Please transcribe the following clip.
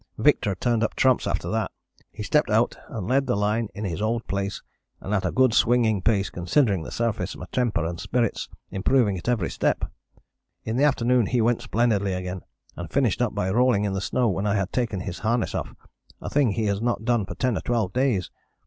Victor turned up trumps after that. He stepped out and led the line in his old place, and at a good swinging pace considering the surface, my temper and spirits improving at every step. In the afternoon he went splendidly again, and finished up by rolling in the snow when I had taken his harness off, a thing he has not done for ten or twelve days.